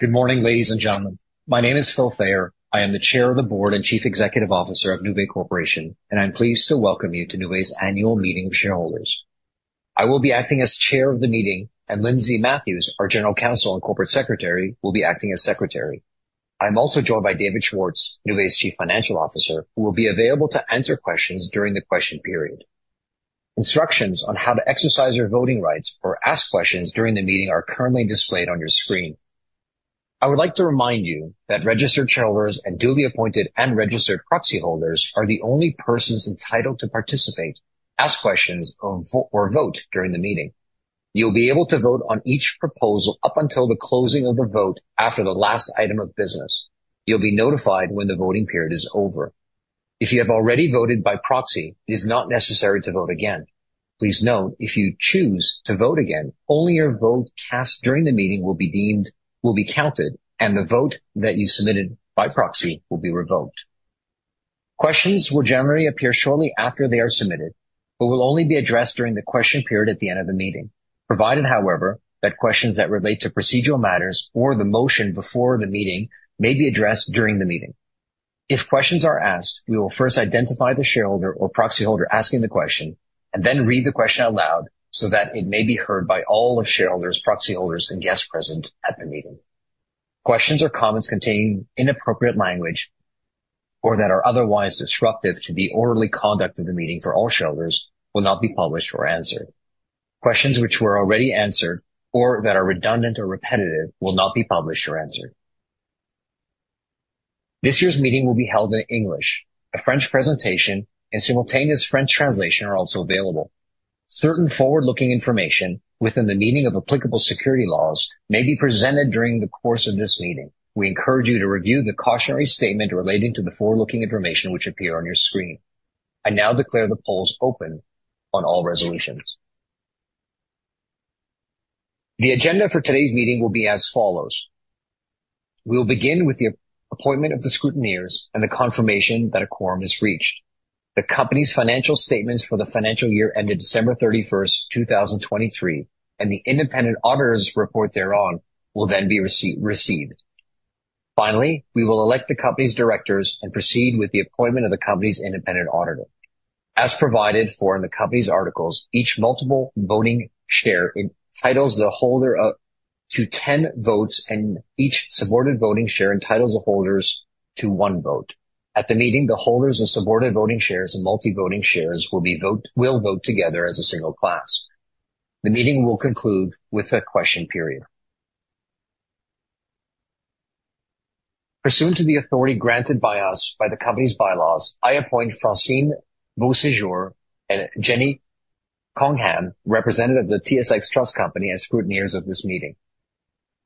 Good morning, ladies and gentlemen. My name is Philip Fayer. I am the Chair of the Board and Chief Executive Officer of Nuvei Corporation, and I'm pleased to welcome you to Nuvei's Annual Meeting of Shareholders. I will be acting as chair of the meeting, and Lindsay Matthews, our General Counsel and Corporate Secretary, will be acting as secretary. I'm also joined by David Schwartz, Nuvei's Chief Financial Officer, who will be available to answer questions during the question period. Instructions on how to exercise your voting rights or ask questions during the meeting are currently displayed on your screen. I would like to remind you that registered shareholders and duly appointed and registered proxy holders are the only persons entitled to participate, ask questions, or vote during the meeting. You'll be able to vote on each proposal up until the closing of the vote after the last item of business. You'll be notified when the voting period is over. If you have already voted by proxy, it is not necessary to vote again. Please note, if you choose to vote again, only your vote cast during the meeting will be deemed... will be counted, and the vote that you submitted by proxy will be revoked. Questions will generally appear shortly after they are submitted, but will only be addressed during the question period at the end of the meeting. Provided, however, that questions that relate to procedural matters or the motion before the meeting may be addressed during the meeting. If questions are asked, we will first identify the shareholder or proxyholder asking the question and then read the question out loud so that it may be heard by all of shareholders, proxy holders, and guests present at the meeting. Questions or comments containing inappropriate language or that are otherwise disruptive to the orderly conduct of the meeting for all shareholders will not be published or answered. Questions which were already answered or that are redundant or repetitive will not be published or answered. This year's meeting will be held in English. A French presentation and simultaneous French translation are also available. Certain forward-looking information within the meaning of applicable securities laws may be presented during the course of this meeting. We encourage you to review the cautionary statement relating to the forward-looking information which appear on your screen. I now declare the polls open on all resolutions. The agenda for today's meeting will be as follows: We will begin with the appointment of the scrutineers and the confirmation that a quorum is reached. The company's financial statements for the financial year ended December 31st, 2023, and the independent auditor's report thereon will then be received. Finally, we will elect the company's directors and proceed with the appointment of the company's independent auditor. As provided for in the company's articles, each Multiple Voting Share entitles the holder up to 10 votes, and each Subordinate Voting Share entitles the holders to one vote. At the meeting, the holders of Subordinate Voting Shares and Multiple Voting Shares will vote together as a single class. The meeting will conclude with a question period. Pursuant to the authority granted by us by the company's bylaws, I appoint Francine Beausejour and Jenny Cunningham, representative of the TSX Trust Company as scrutineers of this meeting.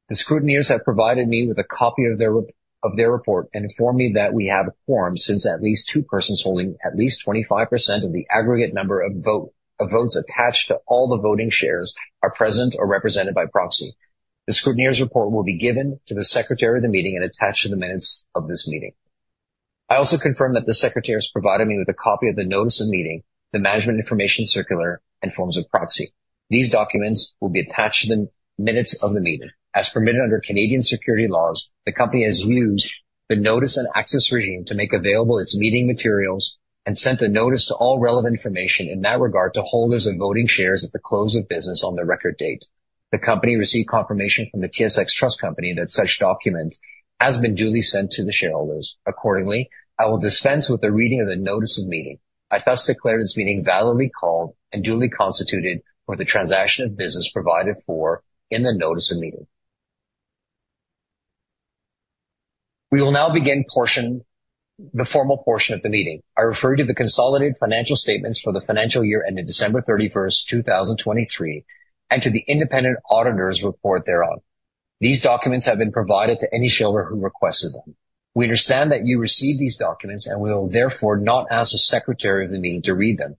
The scrutineers have provided me with a copy of their report and informed me that we have a quorum, since at least two persons holding at least 25% of the aggregate number of votes attached to all the voting shares, are present or represented by proxy. The scrutineers' report will be given to the secretary of the meeting and attached to the minutes of this meeting. I also confirm that the secretary has provided me with a copy of the notice of meeting, the management information circular, and forms of proxy. These documents will be attached to the minutes of the meeting. As permitted under Canadian securities laws, the company has used the notice and access regime to make available its meeting materials and sent a notice to all relevant information in that regard to holders of voting shares at the close of business on the record date. The company received confirmation from the TSX Trust Company that such document has been duly sent to the shareholders. Accordingly, I will dispense with the reading of the notice of meeting. I thus declare this meeting validly called and duly constituted for the transaction of business provided for in the notice of meeting. We will now begin the formal portion of the meeting. I refer to the consolidated financial statements for the financial year ended December 31st, 2023, and to the independent auditor's report thereon. These documents have been provided to any shareholder who requested them. We understand that you received these documents and will therefore not ask the secretary of the meeting to read them.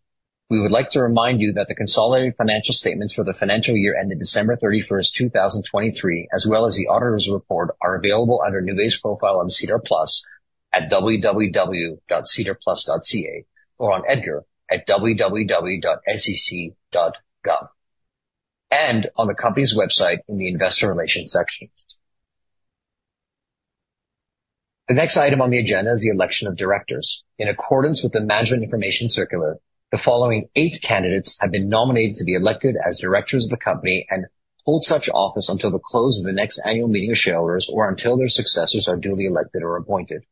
We would like to remind you that the consolidated financial statements for the financial year ended December 31, 2023, as well as the auditor's report, are available under Nuvei's profile on SEDAR+ at www.sedarplus.ca or on EDGAR at www.sec.gov and on the company's website in the Investor Relations section. The next item on the agenda is the election of directors. In accordance with the Management Information Circular, the following eight candidates have been nominated to be elected as directors of the company and hold such office until the close of the next annual meeting of shareholders or until their successors are duly elected or appointed.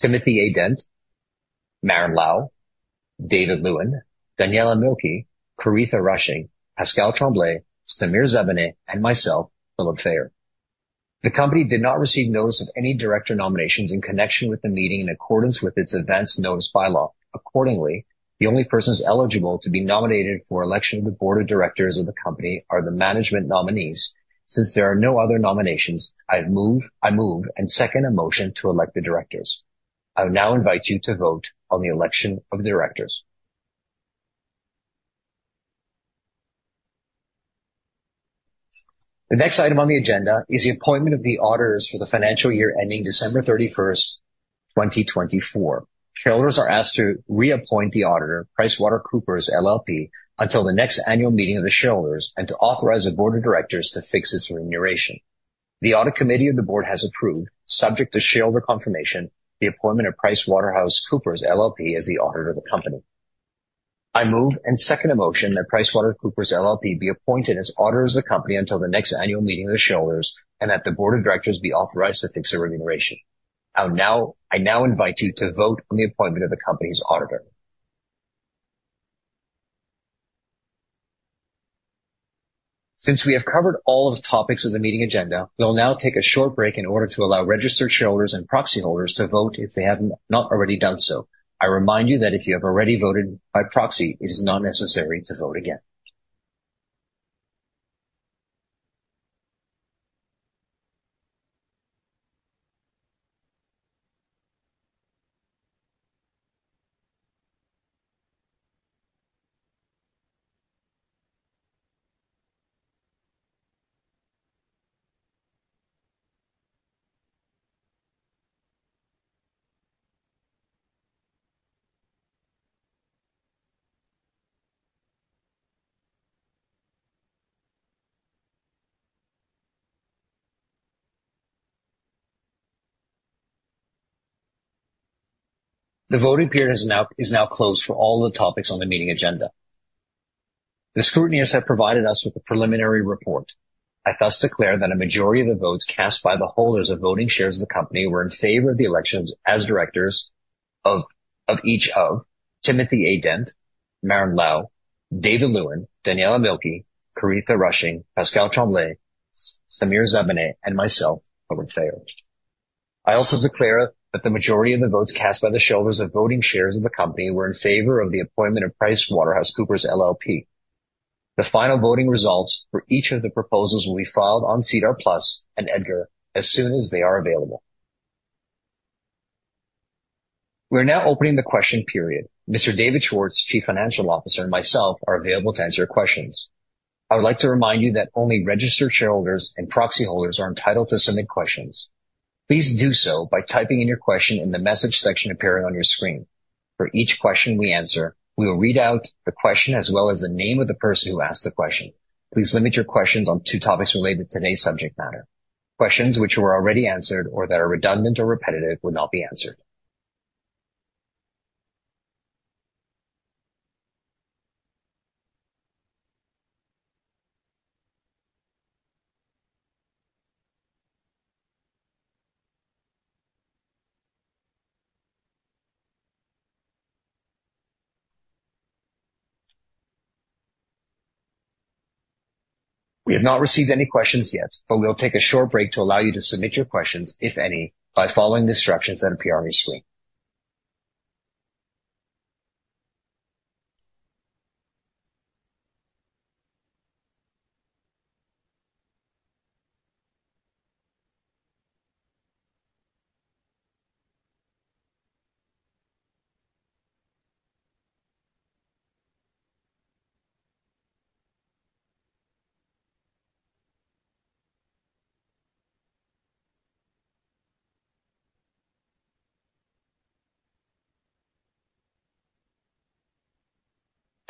Timothy A. Dent, Maren Lau, David Lewin, Daniela Mielke, Coretha Rushing, Pascal Tremblay, Samir Zabaneh, and myself, Philip Fayer. The company did not receive notice of any director nominations in connection with the meeting in accordance with its advance notice bylaw. Accordingly, the only persons eligible to be nominated for election to the board of directors of the company are the management nominees. Since there are no other nominations, I move and second a motion to elect the directors. I will now invite you to vote on the election of the directors. The next item on the agenda is the appointment of the auditors for the financial year ending December 31, 2024. Shareholders are asked to reappoint the auditor, PricewaterhouseCoopers LLP, until the next annual meeting of the shareholders, and to authorize the board of directors to fix its remuneration. The audit committee of the board has approved, subject to shareholder confirmation, the appointment of PricewaterhouseCoopers LLP as the auditor of the company. I move and second a motion that PricewaterhouseCoopers LLP be appointed as auditor of the company until the next annual meeting of the shareholders, and that the board of directors be authorized to fix the remuneration. I now invite you to vote on the appointment of the company's auditor. Since we have covered all of the topics of the meeting agenda, we'll now take a short break in order to allow registered shareholders and proxy holders to vote if they have not already done so. I remind you that if you have already voted by proxy, it is not necessary to vote again. The voting period is now closed for all the topics on the meeting agenda. The scrutineers have provided us with a preliminary report. I thus declare that a majority of the votes cast by the holders of voting shares of the company were in favor of the elections as directors of each of Timothy A. Dent, Maren Lau, David Lewin, Daniela Mielke, Coretha Rushing, Pascal Tremblay, Samir Zabaneh, and myself, Philip Fayer. I also declare that the majority of the votes cast by the shareholders of voting shares of the company were in favor of the appointment of PricewaterhouseCoopers LLP. The final voting results for each of the proposals will be filed on SEDAR+ and EDGAR as soon as they are available. We are now opening the question period. Mr. David Schwartz, Chief Financial Officer, and myself are available to answer your questions. I would like to remind you that only registered shareholders and proxy holders are entitled to submit questions. Please do so by typing in your question in the message section appearing on your screen. For each question we answer, we will read out the question as well as the name of the person who asked the question. Please limit your questions on two topics related to today's subject matter. Questions which were already answered or that are redundant or repetitive will not be answered. We have not received any questions yet, but we'll take a short break to allow you to submit your questions, if any, by following the instructions that appear on your screen.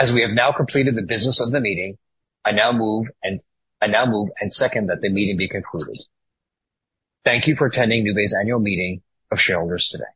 As we have now completed the business of the meeting, I now move and second that the meeting be concluded. Thank you for attending Nuvei's annual meeting of shareholders today.